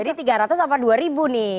jadi tiga ratus apa dua ribu nih